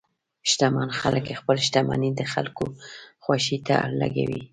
شتمن خلک خپل شتمني د خلکو خوښۍ ته لګوي.